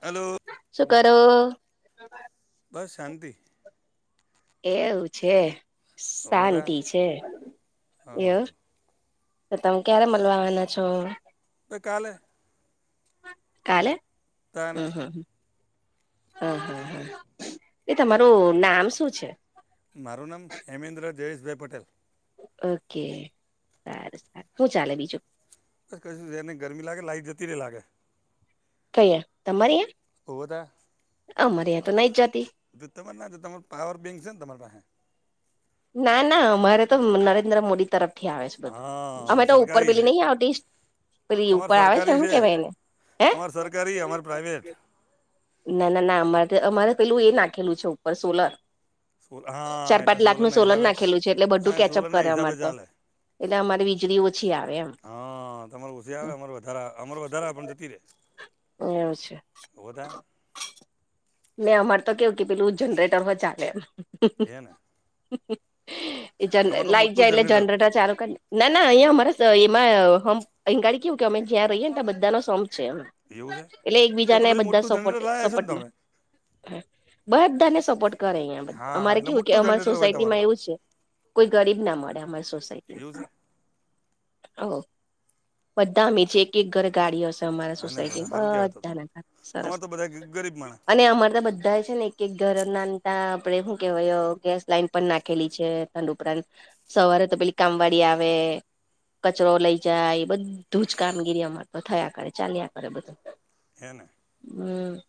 હાલો. શું કરો? બસ શાંતિ એવું છે, ઓમેદા શાંતિ છે, હો એવુ તો તમે ક્યારે મલવા આવાના છો? કાલે કાલે તાને હમ હમ હમ હા હા હા એ તમારું નામ શું છે? મારું નામ હેમેન્દ્ર જયેશભાઈ પટેલ ઓકે સારું સારું શું ચાલે બીજું? ક એને ગરમી લાગે લાઈટ જતી રે લાગે. કઈ તમારી એ [inaudible] અમરેયા તો નઈ જાતી. જો તમાર ના તમાર પાવર બેંક ને તમાર પાહે ના ના અમારે તો નરેન્દ્ર મોદી તરફ થી આવે બધું અમે હા તો ઉપર સરકારી પેલી છે નહી આવતી પેલી તમારે ઉપર આવે છે, સરકારી હુ કેવાય એને હે તમારે સરકારી અમારે પ્રાઇવેટ ના ના ના અમારે અમારે પેલું એ નાખેલું છે, ઉપર સોલર સોલ હા ચાર એટલે પાંચ લાખનું સોલરના સોલન હિસાબે નાખેલું છે, એટલે બધું હા કેચઅપ સોલરના કરે હિસાબે અમારે તો ચાલે એટલે અમારી વીજળી ઓછી આવે એમ હ તમાર ઓસી આવે અમાર વધારે અમાર વધારે પણ જતી રે એવુ છે. [inaudible] મેં અમારે તો કેવું કે પેલું જનરેટર હો ચાલે એમ એ ને એ જ તમારે તો લાઈટ મોટું જાય એટલે જનરેટર ચાલુ ક ના ના અહીંયા અમારા એમાંમ અહીં ગાડી કેવું કે અમે જ્યાં રહીએ ને તયા બધાનો સોંમ છે, એમ એવું છે એટલે તો તો એકબીજાને પછી બધા મોટું સપોર્ટ જનરેટર લાયા છો ને સપોર્ટ માં તમે હા બધાને સપોર્ટ કરે અહં હા અમારે એટલે કેવું કે મોટું અમારી જનરેટર હોય સોસાયટી તમારે માં તો એવું છે. કોઈ ગરીબ ના મળે અમારી એવું છે સોસાયટી ઓ બધામે જે એક એક ઘર ગાડી હ અમારા હા ને સોસાયટી સારું કહેવાય તો તો બધા ના સરસ [inaudible] અને અમાર તા બધા છે, ને એક એક ઘર નાનતા આપડે શું કેવાય ગેસ લાઈન પણ નાખેલી છે. [unintelligible] ઉપરાંત સવારે તો પેલી કામવાડી આવે કચરો લઈ જાય બધું જ કામગીરી અમા તો થયા કરે ચાલ્યા કરે બધુ હેને હમ.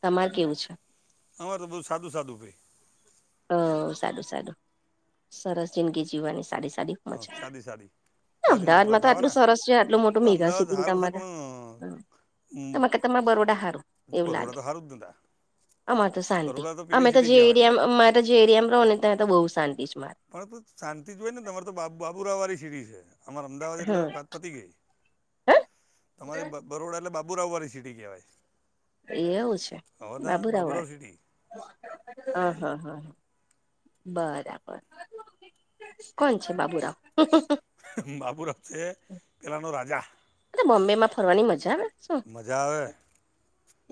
તમારે કેવું છે? અમારે તો બો સાદું સાદું ભાઈ અ સાદું સાદું સરસ જિંદગી જીવાની સાડી હ સાદી સાદી. બાજરીના રોટલા અમદાવાદમાં તો આટલું ખાવાના સરસ છે, આટલું મોટું પણ મેગા અમદાવાદ સિટી સારું છે તમારે પણ તમાર કરતા બરોડા હારું તું એવું બરોડા લાગે તો સારું જ નતા અમારે તો શાંતિ બરોડા પેલી અમે તો સિટી જે કહેવાય એરિયા અમારે જે એરિયામાં રહો ને ત્યાં તો બહુ શાંતિ જ મા પણ શાંતિ હોય ને તમારે તો બાબા બુરાવ વાળ સીડી છે, અમદાવાદ એટલે હમ પતી ગેય હ તમારી બરોડા એટલે બાબુરાવ વાળી સિટી કહેવાય એવું છે, હવે ત્યાં બાબુરાવ બાબુરાવાડ સિટી હ હા હ. બરાબર કોણ છે, બાબુરાવ? બાબુરાવ છે, પેલાનો રાજા બોમ્બેમાં ફરવાની મજા આવે શું મજા આવે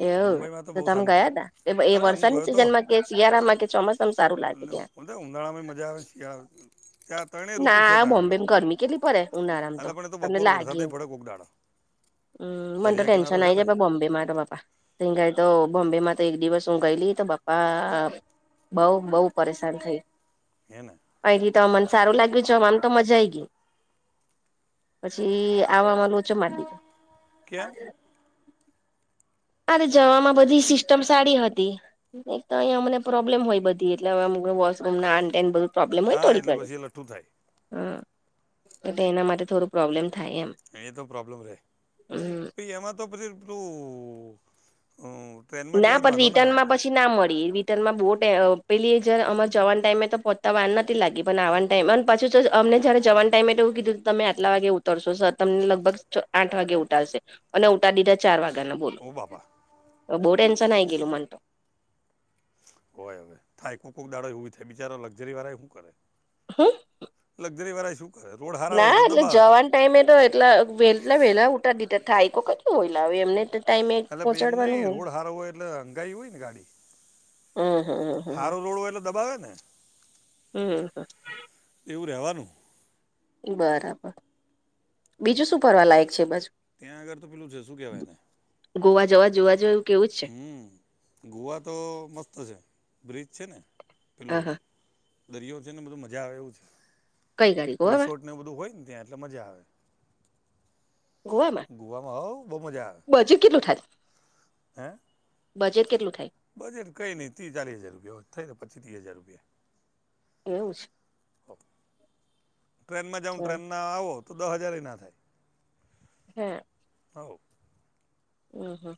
એવું મુંબઈમાં તો બહુ તમે શાંતિ ગયા તા એ અરે હું વરસાાની ગયો તો સિઝન માં કે શિયાળામાં કે ચોમાસામાં સારું લાગે ત્યાં ઓ તો ઉનાળામાં મજા આવે શીયાળ ત્યાં ત્રણેય ઋતુ છે ના, ત્યાં બોમ્બે આગળ ગરમી કેટલી પડે ઉનાળામાં તો, એટલે પણ એ તમને બપોર લાગે વરસાદે એવું. પડે કોક દાડો હમ, મને તો દરિયા કિનારો ટેન્શન છે આઈ ને જાય, બા બોમ્બે તો બાપા તઈ ગઈ તો, બોમ્બેમાં તો એક દિવસ હું ગયેલી તો બાપા બઉુ-બહુ પરેશાન થઈ. હે, ને? અહીંથી તો મને સારું લાગ્યું જવાનું, તો મજા આઈ ગઈ. પછી, આવામાં લોચો મારી દીધો. ક્યાં? અરે જવામાં બધી સિસ્ટમ સારી હતી. એક તો અહીંયા મને પ્રોબ્લેમ હોય બધી એટલે હવે, અમુક વોશરૂમ ને આ તે બધું પ્રોબ્લેમ હોય હા થોડી એટલે ઘણી, પછી એ લઠ્ઠું થાય હ, તો તેના માટે થોડું પ્રોબ્લેમ થાય એમ અહીંયા તો પ્રોબ્લેમ રહે, હમ. પછી એમાં તો પછી પેલું, હમ્મ.. ટ્રેનમાં ના જ્યા હોય, તો પણ વાંધો ના રિટર્નમાં આવે. પછી ના મળી, રિટર્ન માં બોટ અ, પેલી જ અમાર જવાને ટાઈમે તો પહોંચતા વાર નતી લાગી. પણ આવના ટાઈમ અને પાછું, તો અમને જયારે જવાના એ એવું કીધુ તું, તમે આટલા વાગે ઉતરશો સર તમને લગભગ આઠ વાગે ઉતારશે અને ઉતાર દીધા ચાર વાગ્યા ના બોલ ઓ બાપા બોવ ટેન્શન આઈ ગયું તું મન હોય હવે, થાય કોક-કોક દાડો એવું થાય, બિચારો લકઝરી વાળા શું કરે હમ્મ લગઝરી વાળા શું કરે? રોડ હારા હોય તો એટલે દબાવે જવાના ટાઈમે તો એટલા વેલા, વેલા ઉતાડી દીધા, થાય કેટું હોય લાવે એમને ટાઈમે એટલે ભાઈ એમ પહોંચાડવાનું નહીં, હોય ને. રોડ સારો હોય એટલે હંગાઈ હોય ને ગાડી હમ હમ હમ હારો રોડ હોય એટલે દબાવે ને હમ, હ એવું રહેવાનું બરાબર, બીજું શું ફરવા લાયક છે એ બાજુ ત્યાં આગળ તો પેલું છે શું કહેવાય એને ગોઆ જવા, જોવા જેવું કે એવું જ છે હમ્મ... ગોવા તો મસ્ત છે, બ્રિજ છે ને હા પેલું હા દરિયો છે ને બધું મજા આવે એવું છે. કઈ આગડી, ગોઆ આગડ રિસોર્ટ ને એવું બધું હોય ને ત્યાં એટલે મજા આવે, ગોવામાં ગોવામાં આવો બહ મજા આવે. બજેટ કેટલું થાય? હે? બજેટ કેટલું થાય? બજેટ કઈ નઈ ત્રી-ચાલી હજાર રૂપિયા થઈ ને, પચી-ત્રીસ હજાર રૂપિયા એવું છે? ટ્રેનમાં જાઉ હા ટ્રેન ના આવો તો દસ હજાર ના થાય. હે હોવ હમ્મ.. હમ્મ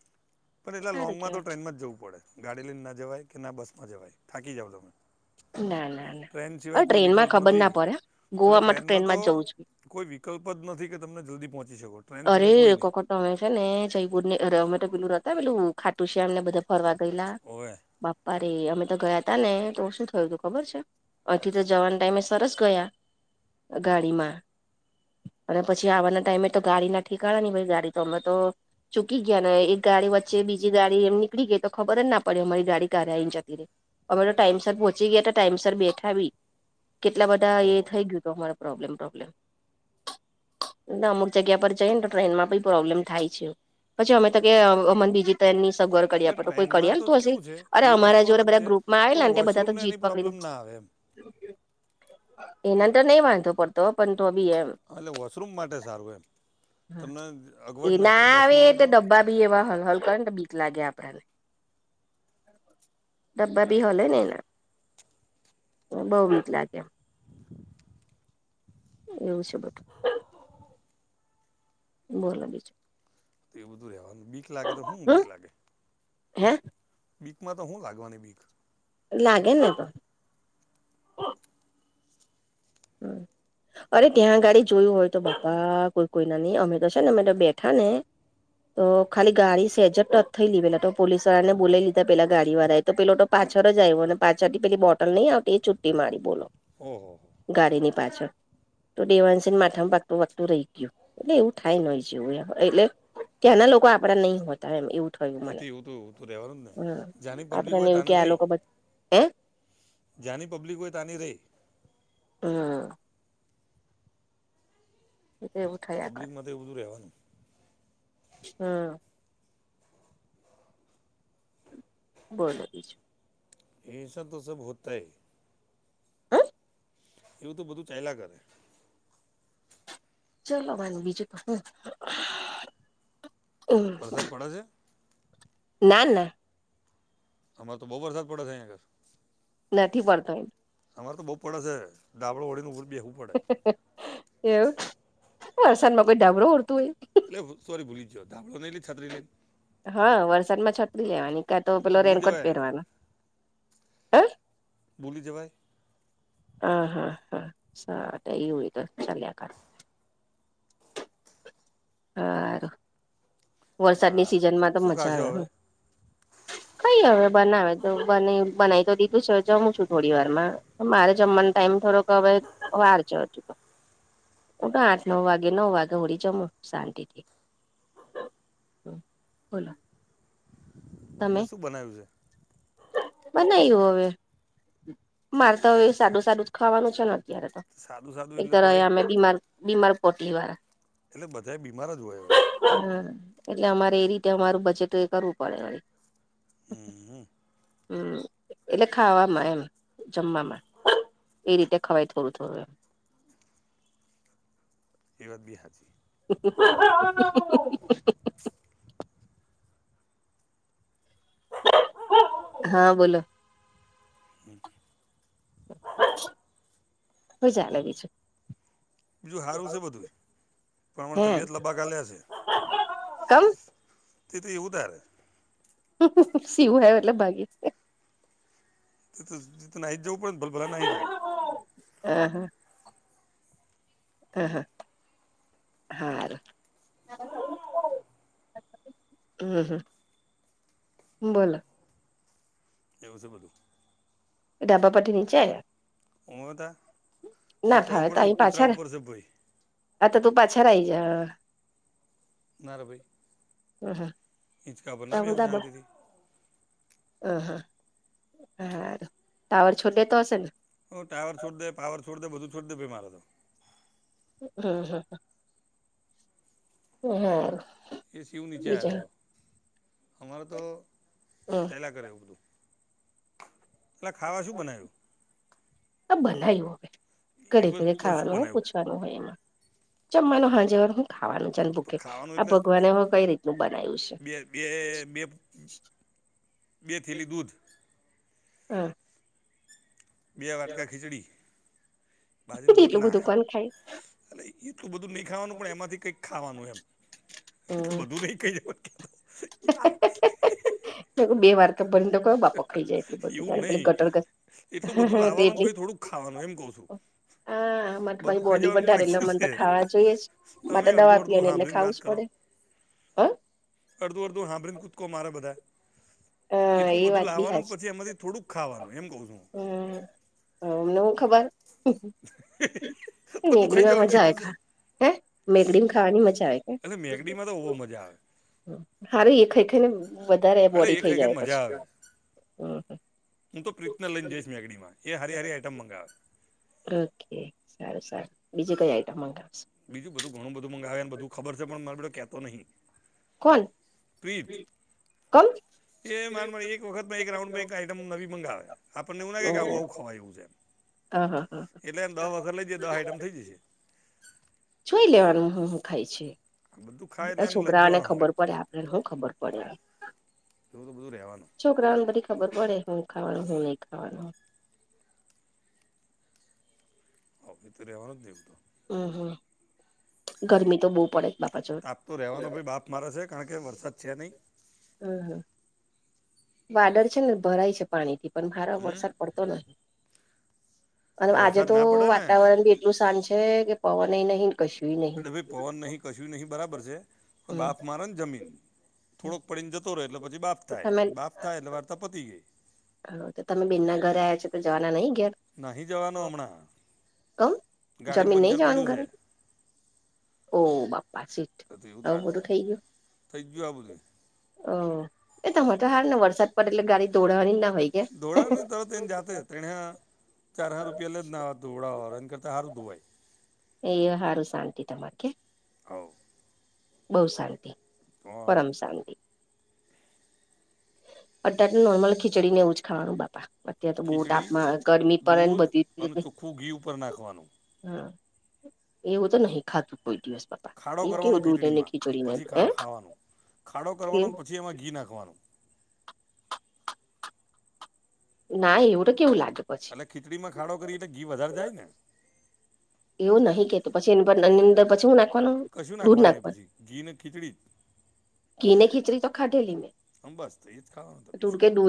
પણ એટલા લોંગમાં તો ટ્રેનમાં જવું પડે, ગાડી લઈને ના જવાય કે ના બસમાં જવાય, થાકી જાવ તમે ના ના ના ટ્રેન અ સિવાય કોઈ ટ્રેનમાં વિકલ્પ ખબર નથી ના પડે અને ગોવામાં ટ્રેનમાં તો જ જવું છું કોઈ વિકલ્પ જ નથી કે તમને જલ્દી પહોંચી શકો ટ્રેન અરે રે સિવાય રે કોઈ નહીં કોકર તો બે છે, ને જયપુરમાં અરામેટુ પીલું હતા પેલું ખાટું છે, એમને બધા ફરવા ગએલા ઓવે બાપા રે અમે તો ગયા તા ને તો શું થયું હતું ખબર છે, અહીંથી તો જવાન ટાઈમે સરસ ગયા ગાડીમાં અને પછી આવવાના ટાઈમે તો ગાડી ના ઠીકાણા નઈ ગાડી તો અમે તો ચૂકી ગયા ને એક ગાડી વચ્ચે બીજી ગાડી એમ નીકળી ગઈ તો ખબર જ ના પડે અમારી ગાડી કારે આઇ ને જતી રી. અમે તો ટાઈમસ પહોંચી ગયા હતા ટાઈમસ બેઠા બી કેટલા બધા ઓહો એ થઇ ગયું હત અમાર [unintelligible] જગ્યા પર જઈ ને તો ટ્રેનમાં પ્રોબ્લેમ થાય છે, પછી અમે તો કે અ મન બીજી તેની સગવર કર્યા એટલે પડ કોઈ કડી ટ્રેનમાં તો હાલતુ હશે કેવું છે અરે એ વસ્તુ અમારા જોડે અલગ બધા છે ગ્રુપમાં આવેલા પણ ને બધા તો વોશરૂમને જીત એની પ્રોબ્લેમ ના આવે એમ. એનાંતર નહી વાંધતો પડતો પણ તો બી એમ. હા એટલે વોશરૂમ માટે સારું એમ તમને અગવડ એ ના પડે આવે બસમાં હોય એટલે તો ડબ્બા બી એવા હલ હલ કર ને બીક લાગે આપડને [unintelligible] બહુ મીક લાગે [unintelligible] એવું છે, બધું બોલા બીજું તો એ બધું રહેવાનું બીક લાગે તો શું હમ બીક લાગે. હે. બીકમાં તો હું લાગવાની બીક લાગે ને તો. [inaudible] અરે ત્યાં ગાડી જોયું હોય તો પપ્પા કોઈ કોઈ ના નહી અમે તો છે, ને અમે તો બેઠા ને તો ખાલી ગાડી સેજટ થઈ લી પેલા તો પોલીસ વાળ ને બોલા લીધા પેલા ગાડી વાળા એ તો પેલો પાછડ જ આયવો અનેને પાછડ પેલી બોટલ નઈ આવતી ઈ છુટી મારી બોલો હો હો. ગાડીની પાછળ તો દેવાંશને માથામાં વાગતું વાગતું રહી ગયું એટલે એવું થાય નય જેવું એટલે ત્યાંના લોકો આપડા નહીં હોય. એમ એવું થયું એ મને તો એવું તો એવું તો રહેવાનું જ ને હમ જ્યાંની પબ્લિક આપડને હોય એવું કે ત્યાંની આ રહી લોકો બ હ જ્યાંની પબ્લિક હોય તાંની રહી. હમ્મ. એવું થયા કરે. પબ્લિકમાં એવું તે રહેવાનું. હમ્મ. બોલો બીજું. એશા તો સબ હોતા હે. હ. એવું તો બધું થયલા કરે. ચલો મને બીજું તો શું. વરસાદ પડે છે. ના ના. અમાર તો બો વરસાદ પડે છે અહીયા આગળ નથી પડતો એમ. અમારે તો બોહ પડે શે ઘાબડો ઓઢી ને ઉપર બેહવું એવું વરસાદમાં કોઈ ઘાબરો ઓઢતું હોય એટલે સોરી ભૂલી ગયો ધાબારો નઈ લે છત્રી લઈને હા વરસાદમાં છત્રી લેવાની કા તો હું પેલો ભૂલી રેનકોટ જવાય પહેરવાનો હ ભૂલી જવાઈ હ હા હા સ તેવું હોય તો ચલ્યા કરે હારુ હારુ તો શું મજા ખાજો આવે હવે? કઈ હવે બનાવે તો બને બનાવી તો દીધું છે હવે જમું છું થોડી વારમાં મારે જમવાનો ટાઈમ થોડોક હવે વારજે હજુ તો હું તો આઠ નવ વાગે નવ વાગે હુથી જમું શાંતિથી તો બોલો એટલે શું બનાવ્યું છે બનાવયું હવે મારે તો હવે સાદું સાદુ જ ખાવાનું છે ને અત્યારે તો છે સાદું સાદું એક એટલે તો તોય રહિયા અમે બીમાર બીમાર પોટલીવાળા એટલે બધા બીમાર જ હોય હવે હમ્મ એટલે અમારે એ રીતે અમારું બજેટ એ કરવું પડે વરી હમ્મ હ હમ્મ એટલે ખાવામાં એમ જમવામાં એ રીતે ખવાય થોડું થોડું એમ એ વાત બી હાચી [unintelligible] [unintelligible] હા બોલો હમ્મ [inaudible] હુ ચાલે બીજુ બીજું હારું છેય બધું પણ હમાણા હે તબિયત લબાકા લે છે કમ તે તો એવું ધારે સીવું આવ્યો એટલે ભાગી એ તો નાહી જ જવું પડે ને ભલભલા નાહી જાય હે હેઅ હે હ હા હારુ હમ્મ હ બોલો એવું શે બધું ઘાબા પરથી નીચે આયા ઓમેં હતા ના નીચે એવું ફાવે પડે તો ને અહી કૂતરા પાછળ ઉપર છે ભય આ તો તું પાછર આઈ જા નારે ભઈ તા બધા બાર અહ હ હારું પાવર જોડ દેતો હશેને હું ટાવર છોડી દે પાવર છોડી દે બધું છોડી દે ભાઈ મારે તો હ હ તો હારું એ શિવિવ નીચે બીજા આવ્યો છો અમારે તો હમ ચાલીયા કરે એવું બધું. અલા ખાવા શું બનાયું? આ બનાયું હવે એ ઘરે બધું ઘરે તો શું ખાવાનું હું બનાવ્યું પૂછવા. તો હોય એમાં. જમમાનું હાંજે વાર હું ખાવાનું. તો ચનબૂકે ખાવાનું આ એટલે ભગવાને હવે કઈ રીતનું બનાય્યું છે. બે બે બે બે થેલી દૂધ. હા. બે વાટકા ખીચડી. બાજરીના હ એટલું રોટલા. બધું કોણ ખાય એલે એટલું બધું નહી ખાવાનું પણ એમાંથી કંઈક ખાવાનું એમ. એ તો હમ બધું નહી કહી દ કે યાર તો બે વાર તો બને તો કયો બાપકો ખાઈ જાય એટલું એવું બધું પે નહીં ગટડસ એટલું બધું લાવવાનું પછી થોડુંક ખાવાનું એમ કઉ છું. આહા. મારે તો પાહિ બધું ખાઈ બોડી જવાનું વધારે કોણે એટલે કીધું મને તો છે ખાવા જોઈએ જ તમે માટે દવા અડધું અડધું પીવા એટલે સાંભળીને ખાવું વાત જ કરો પડે. અહ? અડધું અડધું હાંભરીન કૂદકો મારે બધા. હા એટલું એ બધું વાત બી લાવવાનું પછી એમાંથી થોડુંક ખાવાનું એમ કહું છું હું. હમ્મ હમને હું ખબર. હિ.. હિ... વેગળી માં મજાએ ઘા. હે મેકડી ને ખાવાની મજા આવે કે. એટલે મેગડીમાં તો બહુ મજા આવે હાર એ ખઈ ખઈ ને વધારે બોડી થઈ તે ગે જાય મજા પછી આવે હું તો પ્રીતના લઈને જઈશ મેગડીમાં એ હારી હારી એ તમ મંગાવે. ઓકે સારું સારું બીજું કઈ આઈટમ મંગાવશ. બીજું બધું ઘણું બધું મંગાવ્યા ને બધું ખબર છે પણ મેં બધે કેતો નહીં. કોન? તે મારે મારી એક વખત માં એક રાઉન્ડમાં એક આઈટમ નવી મંગાવે. આપણને એવું લાગે કે આવું આવું ખવાય એવું છે. આ હા. હા એટલે એમ દહ વખત લઇ જે દહ આઈટમ થઈ જશે. જોઈ લેવાનું હું હું ખાય છે. આ બધું ખાય અ એટલે એને લઈ જ છોકરાઓને જવાનું ખબર હંગાત પડે આપડને હું ખબર પડે. એવું તો બધું રહેવાનું. છોકરાને બધી ખબર પડે હું ખાવાનું હું નહી ખાવાનું. ઓકે તો રહેવાનુંજ નહીં હું તો હમ્મ, હમ્મ ગરમી તો બહુ પડે બાપા જો તાપ તો રહેવાનો ભાઈ બાપ મારે છે કારણ કે વરસાદ છે નહીં. હમ્મ હમ્મ વાદળ છે ને ભરાય છે પાણી થી પણ હારા હમ વરસાદ પડ તને અને આજે વરસાદ તો ના પડે ને વાતાવરણ બી નુંસાન છે કે પવન એ નહી. અને બી પવન નહીં કશું નહી બરાબર છે તો હમ બાફ મારે ને જમીન? થોડોક પડીને જતો રહે એટલે પછી બાફ થાય તમે બાફ થાય એટલે વાર્તા પતી ગઈ. હ તો તમે બેન ના ઘરે આયા છો તો જવાના નહી ઘેર. નાહી જવાનો કમ અમણાં જમીન નહી પંચર જવાનું પડય્યું છે. ઘરે ઓ બાપ્પા સીટ તો તું એવું આવું તારે બધું થઈ ગયું થઈ ગયું આ બધું અ એ તમારે તો હાર વરસાદ પડે ગાડી દોડવાની ના હોય કે દોવડાવેને તરત જાતે તેણે ચાર હજાર રૂપિયા લે જ નાતું ઉડાાવવા એ કરતા સારું ધોવાય એ હારું શાંતિ તમાર કે હોવ બો શાંતી તો પરમ શાંતી [unintelligible] નોર્મલ ખીચડીને એવું જ ખાવાનું બાપા અત્યારેં તો બો ખીચડી તાપમા ગરમી પડે ને દૂધ અને બધી ચોખ્ખું ઘી ઉપર નાખવાનું હા એવું તો નહી ખાધુ કોઈ દિવસમાં ખાડો કરવાનો ખીચડીમાં અને પછી ખાવાનો કે કરવાનો પછી એમાં ઘી નાખવાનું ના એવુ ત કેવું લાગે પછી અને ખીચડીમાં ખાડો કરી ત ઘી વધારે જાય ને? એવું નહીં કેતો પછીની અંદર પછી હું ના કશું નાખવાનું નહી પછી ઘી ને ખીચડી ઘી ને ખીચડી તો ખાધેલી મેં બસ તો એ જ ખાવાનું ત તું બીસું કે ખા દૂધ